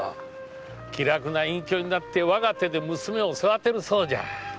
気楽な隠居になって我が手で娘を育てるそうじゃ。